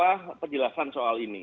ada penjelasan soal ini